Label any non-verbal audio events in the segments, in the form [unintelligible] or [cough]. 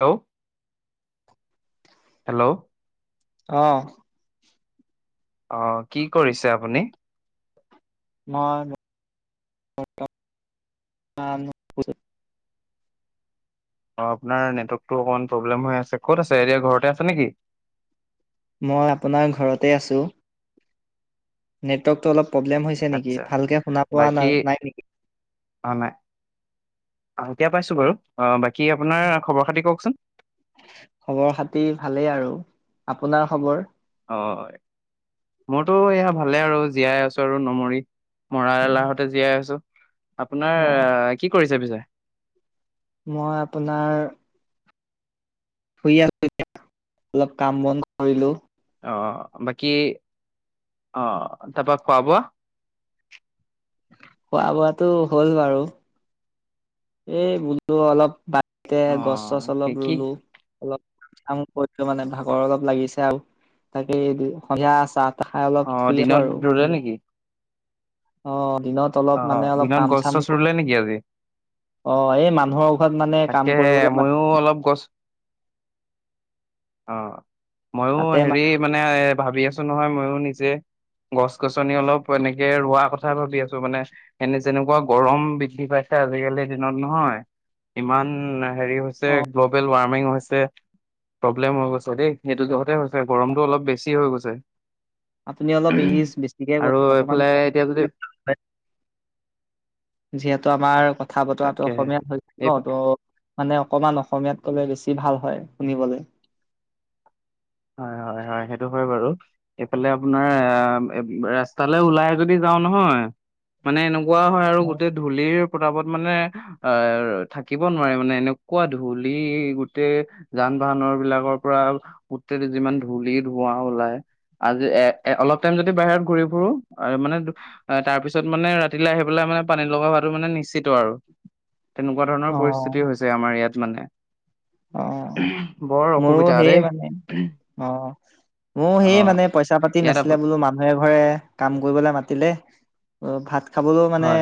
Hello hello অহ অ কি কৰিছে আপুনি ম ন [unintelligible] অ আপোনাৰ নেটৱৰ্কটো অকমান প্ৰব্লেম হৈ আছে ক'ত আছে এতিয়া ঘৰতে আছে নেকি মই আপোনাৰ ঘৰতে আছো নেটৱৰ্কটো অলপ প্ৰব্লেম হৈছে নেকি আচ্ছা ভালকে শুনা পোৱা বাকী নাই নেকি আহ এতিয়া পাইছো বাৰু বা কি আপোনাৰ খবৰ খাতি কওকচোন খবৰ খাতি ভালেই আৰু। আপোনাৰ খবৰ হয় মোৰতো এয়া ভালে আৰু জীয়াই আছো আৰু নমৰি মৰা এলাহতে জীয়াই আছো। আপোনাৰ অ', কি কৰিছে পিছে মই আপোনাৰ শুই আছিলোঁ এতিয়া অলপ কাম বন কৰিলো অঁ, বাকী অ তাপা খোৱা বোৱা। খোৱা বোৱাটো হ'ল বাৰু এই বোলো অলপ তে অ গছ চছ কি অলপ কি ৰুলো অলপ কৈছো মানে ভাগৰ অলপ লাগিছে আৰু তাকে সন্ধিয়া চা খাই অ অলপ শুই আছো দিনত আৰু ৰুলে নেকি অ দিনত অলপ অ মানে অলপ দিনত কাম গছ চাম চছ ৰুলে কৰিব নেকি আজি অ এই মানুহৰ ঘৰত মানে কাম তাকেহে কৰিবলৈ মাত ময়ো অলপ গছ অহ ময়ো হেৰি মানে এ ভাবি আছো নহয় ময়ো নিজে গছ গছনি অলপ এনেকে ৰোৱা কথা কথা ভাবি আছো মানে এনে যেনেকুৱা গৰম বৃদ্ধি পাইছে আজিকালিৰ দিনত নহয় ইমান হেৰি হৈছে গ্ল'বেল ৱাৰ্ম মিং হৈছে প্ৰব্লেম হৈ গৈছে দেই হেতু যহতে হৈছে গৰমটো অলপ বেছি হৈ গৈছে আপুনি অলপ ইংলিছ বেছিকে আৰু কৈছিল, অকমান এইফালে কমকে এতিয়া যদি ক'লে ভাল হয়, যিহেতু আমাৰ ক কথা বতৰাটো তাকেহে অসমীয়া হৈছে ন এই ত' মানে অকমান অসমীয়াত ক'লে বেছি ভাল হয়, শুনিবলে হয়, হয়, হয়, সেইটো হয় বাৰু। ফালে আপোনাৰ এ তালৈ ওলাই যদি যাও নহয়, মানে এনোক কোৱা হয় আৰু অ গোটেই ধূলিৰ প্ৰতাপত মানে এ, থাকিব নোৱাৰে মানে এনেকুৱা ধূলি গোটেই যান বাহনৰ বিলাকৰ পৰা গোটেটো যিমান ধূলি ধোৱা ওলাই, আজি এ অলপ টাইম যদি বাহিৰত ঘূৰি ফুুৰো আৰু মানে তাৰ পিছত মানে ৰাতিলৈ আহি পেলাই মানে পানী লগা হোৱাটো মানে নিশ্চিত আৰু। তেনেকুৱা ধৰণৰ পৰিস্থিতি হৈছে আমাৰ ইয়াত। মানে? অ বৰ মোৰো অসুবিধা সেইয়ে দেই মানে। অ', মোৰ অ সেই মানে পইচা পাতি ইয়াত নাছিলে আপোন বোলো মানুহ এঘৰে কাম কৰিবলৈ মাতিলে। অ', ভাত খাবলৈও মানে হয়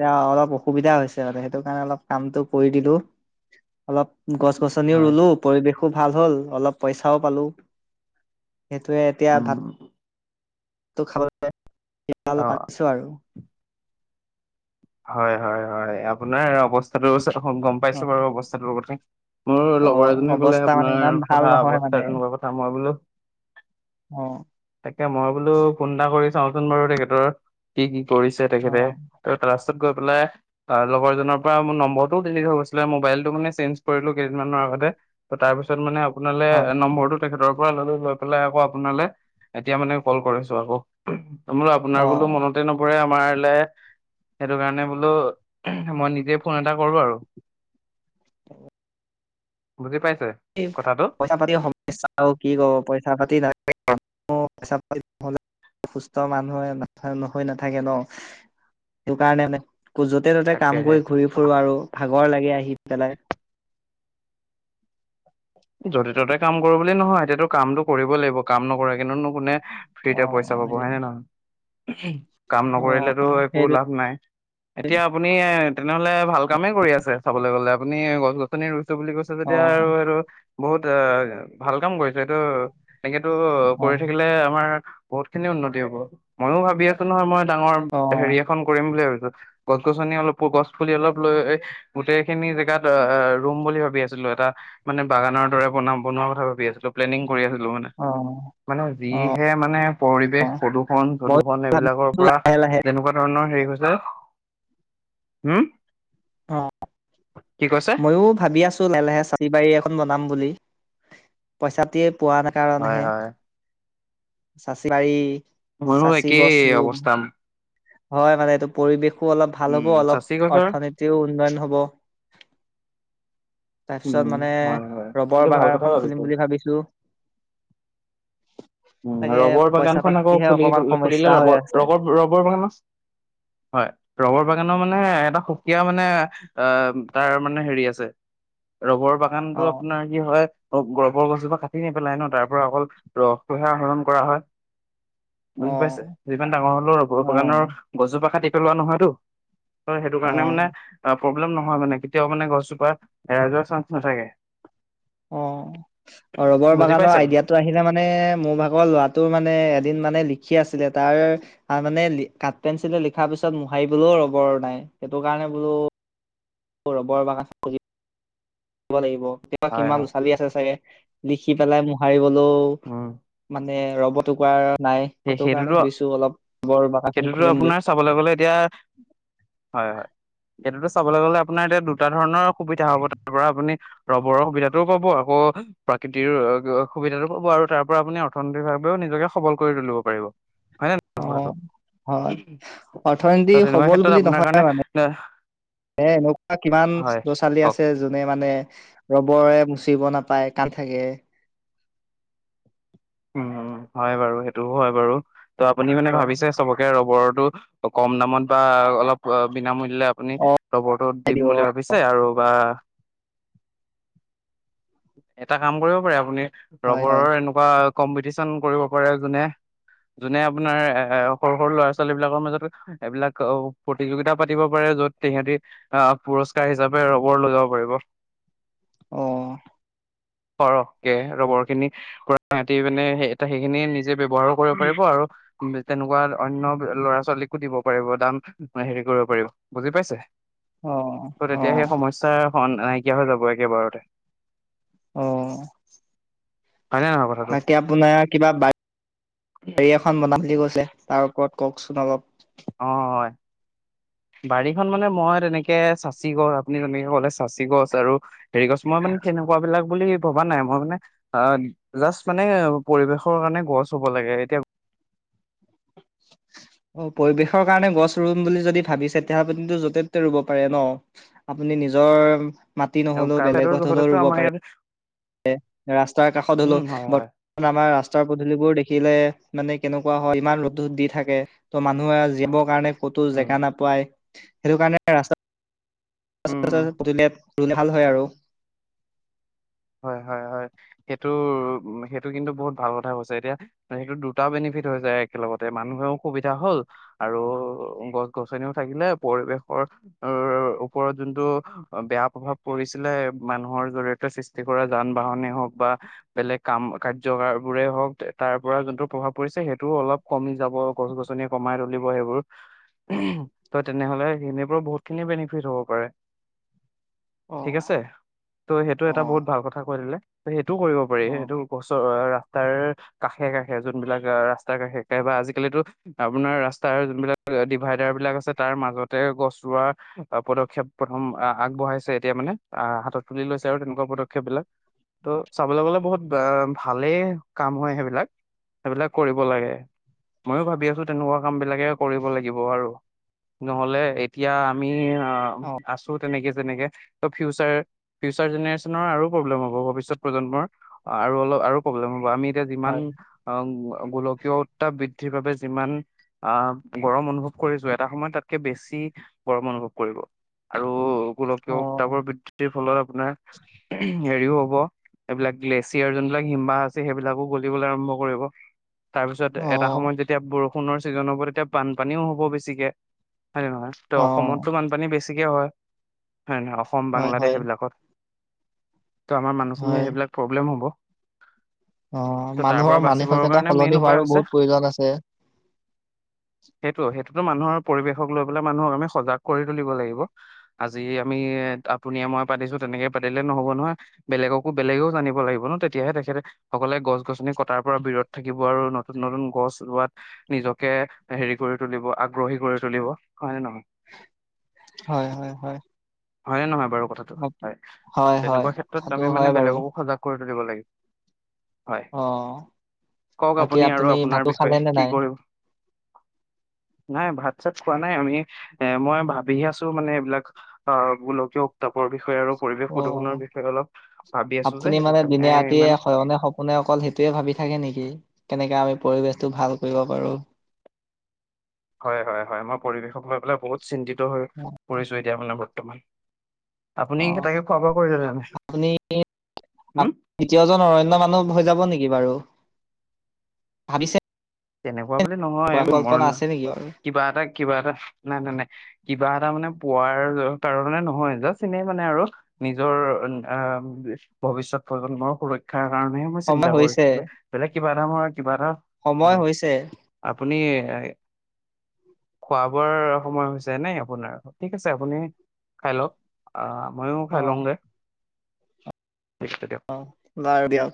এয়া অলপ অসুবিধা হৈছে মানে সেইটো কাৰণে অলপ কামটো কৰি দিলো। অলপ গছ-গছনিও হয় ৰুলো, পৰিৱেশ খুব ভাল হ'ল, অলপ পইচাও পালো। সেইটোৱে এতিয়া ভাত উম তো খাবলৈ পাই অ অলপ আনিছো আৰু। হয়, হয়, হয়, আপোনাৰ অৱস্থাটো হব গম অ পাইছো বাৰু অৱস্থাতোৰ কথা। মোৰ অ লগৰ এজনে কলে অৱস্থা মানে ইমান আপোনাৰ ভাল কথা নহয় অৱস্থা মানে তেনেকুৱা কথা মই বোলো অ তাকে মই বোলো ফোন এটা কৰি চাওঁচোন বাৰু তেখেতৰ কি কি কৰিছে অ তেখেতে, ত লাষ্টত গৈ পেলাই তাৰ লগৰজনৰ পৰা মোৰ নম্বৰটোও ডিলিট হৈ গৈছিলে মোবাইলটো মানে চেঞ্জ কৰিলো কেইদিনমানৰ আগতে ত তাৰপিছত মানে আপোনালে হয় নম্বৰটোত তেখেতৰ পৰা ললো লৈ পেলাই আকৌ আপোনালে, এতিয়া মানে কল কৰিছো আকৌ। মোৰো আপোনাৰ অ বোলো মনতে নপৰে আপ মাৰলে। সেইটো কাৰণে বোলো মই নিজে ফোন এটা কৰো আৰু বুজি পাইছো পইচা পাতি সমস্যা আৰু কি ক পইচা পাতি ন চহলে সুস্থ মানুহে নহয় নাথাকে ন সেইটো কাৰণে য'তে ত'তে কাম তাকেহে কৰি ঘূৰিফুৰো আৰু ভাগ লগৰ লাগে আহি পেলাই [inaudible] য'তে ত'তে কাম কৰো বুলি নহয় এতিয়াতো কামটোো কৰিবই লাগিব কাম নকৰে কিন্তুনো কোনে অ ফ্ৰীতে পইচা অ পাব সেই হয় নে নহয়। উ কাম অ নকৰিলেতো একো সেইটো লাভ নাই এতিয়া আপুনি এ তেনেহলে ভাল কামে কৰি আছে চাবলৈ গলে আপুনি গছ, গছনি ৰুই টো বুলি কৈছে অ তেতিয়া আৰু আৰু বহুত অ', ভাল কাম কৰিছে এইটো তেনেকে- এনেটো অ কৰি থাকিলে আমাৰ- বহুত খিনি উন্নতি হ'ব ময়ো ভাবি আছো নহয় মই ডাঙৰ অ হেৰি এখন কৰিম বুলি- গছ -গছনি অলপ গছ পুলি অলপ লৈ গোটেই খিনি জেগাত অ', ৰুম বুলি ভাবি আছিলো, এটা মানে বাগানৰ দৰে বন বনোৱা কথা ভাবি আছিলোঁ, প্লেনিং কৰি আছিলো মানে অ মানে অ যিহে মানে পৰিৱেশ প্ৰদূৰ্ষণ মইো প্ৰদূৰ্ষন এইবিলাকৰ পৰা লাহে লাহে যেনেকুৱা ধৰণৰ হেৰি উম! অ', মইও ভাবি আছো লাহে লাহে চাৰি বাৰী এখন বনাম বুলি। পইচাটে পোৱা হয় কাৰণেহে- হয় চাচি বাৰী ময়ো চাচি একেই গছ ৰুম অৱস্থা- হয় মানে এইটো পৰিৱেশ। অলপ ভাল উম হ'ব অলপ চাচি গছৰ অৰ্থনীতি উন্নয়ন হ'ব। তাৰ উম পিছত মানে হয় হয় ৰবৰ এইটো ভাল বাগান কথা এখন ভাবিছো। খুলিম বুলি ভাবিছো। উম! তাকে ৰবৰ পইচা বাগানখন আকৌ পাতিহে খুলি অকমান খুলিলে সমস্যা ৰ হৈ আছে ৰবৰ ৰবৰ বাগান আছে হয় ৰবৰ- বাগানৰ মানে এটা সুকীয়া মানে অ', তাৰ মানে হেৰি আছে। ৰবৰৰ বাগানতো অ আপোনাৰ কি হয়? অ', গৰ্বৰ গছজোপা কাটি নেপেলাই ন তাৰ পৰা অকল ৰস তোহে আহৰণ কৰা হয়। অ বুজি পাইছে, যিমান ডাঙৰ হলেও ৰবৰ অ বাগানৰ গছ জোপা কাটি পেলোৱা নহয়তো। হয় সেইটো অ কাৰণে মানে অ! প্ৰব্লেম নহয় মানে কেতিয়াও মানে গছজোপা হেৰাই যোৱাৰ চান্স নাথাকে। অ', ৰবৰ বুজি বাগানৰ পাইছে কথাটো আইডিয়াটো আহিলে মানে মোৰ ভাগৰ ভাগৰ ল'ৰাটোৰ মানে এদিন মানে লিখি আছিলে তাৰ মানে কাট পেঞ্চিলে লিখাৰ পিছত মোহাৰিবলৈ ৰবৰ নাই, সেইটোকাৰণেই বুলো ৰবৰৰ বাগান লাগিব। কেতিয়াবা হয় কিমান হয় ল'ৰা ছোৱালী আছে চাগে লিখি পেলাই মোহাৰিবলৈ লোওঁ উম মানে- মানে ৰবৰ টুকুৰা নাই সেই সেইটো কাৰণে সেইটোতো ভাবিছো অলপ বৰ বাগানখন সেইটোতো খুলিম বুলি আপোনাৰ চাবলৈ গ'লে এতিয়া হয়, হয়। চাবলৈ গ'লে আপোনাৰ এতিয়া দুটা ধৰণৰ সুবিধা হ'ব, তাৰ পৰা আপুনি ৰবৰৰ সুবিধাতটোও পাব আকৌ প্ৰাকৃতিৰ সুবিধাটো পাব আৰু তাৰ পৰা আপুনি অৰ্থনৈতিকভাৱেও নিজকে সবল কৰি তুলিব পাৰিব। হয় নে নহয় কথাটো অ', হয় ত অৰ্থনীতি তেনেকুৱা সবল ক্ষেত্ৰত বুলি আপোনাৰ নহয় কাৰণে মানে এ, এ এনেকুৱা কিমান হয় ল'ৰা ছোৱালী কওক আছে যোনে মানে ৰবৰে। মুচিব নাপায় কান্দি থাকে। উম, হয় বাৰু সেইটোও হয় বাৰু। ত' আপুনি মানে অ ভাবিছে চবকে ৰবৰ ত' কম দামত বা অলপ বিনামূলী দিলে আপুনি অ ৰবৰটো দিম দিব বুলি ভাবিছে আৰু বা এটা কাম কৰিব পাৰে আপুনি। হয় হয় ৰবৰৰ এনেকুৱা কম্পিটিছন কৰিব পাৰে যোনে, যোনে আপোনাৰ এ সৰু সৰু ল'ৰা ছোৱালী বিলাকৰ মাজতো এইবিলাক প্ৰতিযোগিতা পাতিব পাৰে য'ত সিহঁতি আহ পুৰস্কাৰ হিচাপে ৰবৰ লৈ যাব পাৰিব। অ'। সৰহকে ৰবৰ খিনি সিহঁতি মানে এ সেইখিনি নিজ নিজে ব্যৱহাৰও কৰিব পাৰিব আৰু ম তেনেকুৱা অন্য ল'ৰা ছোৱালীকো দিব পাৰিব দাম হেৰি কৰিব পাৰিব, বুজি পাইছে। অ ত' অ তেতিয়া সেই সমস্যা স নাই। নাই কিয়া হৈ যাব একেবাৰতে। অ'। হয় নে নহয় কথাটো। বাকী আপোনাৰ কিবা বাৰী এখন বনাম বুলি কৈছিলে। তাৰ ওপৰত কওঁকচোন অলপ। অ', বাৰীখন মানে মই তেনেকে চাচি গছ আপুনি তেনেকে কলে চাচি গছ আৰু হেৰি গছ মানে তেনেকুৱাবিলাক বুলি ভবা নাই মই মানে অ', জাষ্ট মানে পৰিৱেশৰ কাৰণে গছ হ'ব লাগে এতিয়া অ', পৰিৱেশৰ কাৰণে গছ ৰুম বুলি যদি ভাবিছে তেতিয়া আপুো য'তে ত'তে ৰুব পাৰে ন' আপুনি নিজৰ মাটি নহ'লেও কাৰ্বি আংলঙৰ বেলেগত হ'লেও লগতেতো ৰুব আমাৰ পাৰে। ইয়াত ৰাস্তাৰ কাষত হ'লো উম হয় হয় বৰ্তমান আমাৰ ৰা সচাৰ পদূলিবোৰ দেখিলে মানে কেনেকুৱা হয় ইমান ৰ'দ ৰত দি থাকে ত' মানুহে জিবৰ কাৰণে ক'তো উম জেগা নাপায়। সেইটো কাৰণে ৰাস্তা উম [unintelligible] ৰুলে ভাল হয় আৰু হয় হয় হয় সেইটো সেইটো কিন্তু বহুত ভাল কথা কৈছে এতিয়া সেইটো দুটা বেনিফিট হৈ যায় একেলগতে মানুহেও সুবিধা হল আৰু গছ গছনিও থাকিলে পৰিৱেশৰ ওপৰত যোনটো বেয়া প্ৰভাৱ পৰিছিলে মানুহৰ জৰিয়তে সৃষ্টি কৰা যান বাহনে হওক বা বেলেগ কাম কাৰ্য বোৰে হওক তাৰ পৰা যোনটো প্ৰভাৱ পৰিছে সেইটোও অলপ কমি যাব গছ গছনি কমাই তুলিব সেইবোৰ, ত তেনেহলে সনেবোৰ বহুতখিনি বেনিফিট হ'ব পাৰে। অ ঠিক আছে। ত' সেইটো অ এটা বহুত ভাল কথা কৈ দিলে ত সেইটোও কৰিব পাৰি অ সেইটো গছৰ ৰাস্তাৰ কাষে কাষে যোনবিলাক ৰাস্তাৰ কাষেবা আজিকালিতো আপোনাৰ ৰাস্তাৰ যোনবিলাক ডিভাইডাৰ বিলাক আছে তাৰ মাজতে গছ ৰোৱা পদক্ষেপ প্ৰথম আগবঢ়াইছে এতিয়া মানে আহ হাতত তুলি লৈছে আৰু তেনেকুৱা পদক্ষেপ সেইবিলাক ত চাবলৈ গলে বহুত ভালেই কাম হয় সেইবিলাক, সেইবিলাক কৰিব লাগে ময়ো ভাবি আছো তেনেকুৱা কাম বিলাকে কৰিব লাগিব আৰু নহলে এতিয়া আমি আছো তেনেকে যেনেকে ত ফিউচাৰ আৰু প্ৰব্লেম হ'ব ভৱিষ্যত প্ৰজন্মৰ আৰু অলপ আৰু প্ৰব্লেম হ'ব আমি যে যিমান অ গোলকীয় উত্তাপ বৃদ্ধি বৃদ্ধিৰ যিমান আহ গৰম অনুভৱ কৰিছো এটা সময়ত তাতকে বেছি গৰম অনুভৱ কৰিব আৰু গোলকীয় অ উত্তাপৰ বৃদ্ধিৰ ফলত আপোনাৰ উম। হেৰিও হব এইবিলাক গ্লেছিয়াৰ যোনবিলাক হিম্বাহ আছে সেইবিলাকো গলিবলৈ আৰম্ভ কৰিব তাৰপিছত অ এটা সময়ত যেতিয়া বৰ ষুণৰ ছিজন হ'ব তেতিয়া বানপানীও হ'ব বেছিকে। হয় নে নহয় ত' অ অসমতটো বানপানী বেছি বেছি কে হয়। হয়নে নহয় অসম হয় বাংলাদেশ হয় সেইবিলাকত ত' আমাৰ মানুহখিনিৰ হয় সেইবিলাক প্ৰব্লেম হ'ব। অ ত তাৰ পৰা মানুহৰ বাচিবৰ মানসিকতা কাৰণে মেইন সলনি উপায় হোৱাৰো হৈছে বহুত প্ৰয়োজন আছে। পৰিবেশক লৈ পেলাই মানুহক আমি সজাগ কৰি তুলিব লাগিব আজি আমি আপুনিয়ে মই পাতিছো তেনেকে পাতিলে নহ'ব নহয় বেলেগকো বেলেগেও জানিব লাগিব ন তেতিয়াহে তেখেতে সকলে গছ গছনি কটাৰ পৰা বিৰত থাকিব আৰু নতুন নতুন গছ ৰোৱাত নিজকে হেৰি কৰি তুলিব আগ্ৰহী কৰি তুলিব হয় নে নহয়। হয় হয় হয়। হয়নে নহয়। বাৰু কথাটো। বাকী অ হয় হয় তেনেকুৱা ক্ষেত্ৰত কথাটো আমি মানে হয় বাৰু বেলেগকো সজাগ কৰি তো লাগিব। হয় অ কওক বাকী আপুনি আৰু আপোনাৰ ভাতো বিষয়ে খালে নে কি নাই কৰিব নাই ভাত চাত খোৱা নাই আমি এ মই ভাবি আছো মানে এইবিলাক আহ গোলকীয় উত্তাপৰ বি বিষয়ে আৰু পৰিৱেশ অ প্ৰদূষণৰ বিষয়ে অলপ ভাবি আছো যে আপুনি সেইটো মানে কাৰণে দিনে ৰাতিয়ে ইমান হয়নে সপোনে অকল সেইটোয়ে ভাবি থাকে নেকি! কেনেকে আমি পৰিৱেশটো ভাল কৰিব পাৰো। হয় হয় হয় মই পৰিৱেশক লৈ পেলাই বহুত চিন্তিত হৈ পৰিছো এতিয়া মানে [unintelligible] আপুনি অ তাকে খোৱা বোৱা কৰিলে নে নাই? আপুনি উম, দ্বিতীয়জন অৰণ্যয় মানুহ হৈ যাব নেকি বাৰু ভাবিছে ধন্যবাদ কোৱা বুলি নহয় কল্পনা মৰণ আছে নেকি বাৰু কিবা এটা কিবা এটা নাই নাই নাই কিবা এটা মানে পোৱাৰ কাৰণে নহয় জাষ্ট এনেই মানে আৰু নিজৰ ভৱিষয়ত প্ৰজন্মৰ সুৰক্ষা কাৰণেে মই সময় চিন্তা কৰিছো হৈছে বলে কিবা এটা মই কিবা এটা অ সময় হৈছে আপুনি খোৱ বৰ সময় হৈছে নাই আপোনাৰ ঠিক আছে আপুনি খাই লওক আহ ময়ো অ খাই লওঁগে ঠিক তেতিয়া অ য দিয়